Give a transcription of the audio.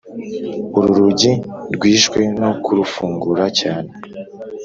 uru rugi rwishwe no kurufungura cyane